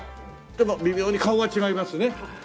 でも微妙に顔が違いますね。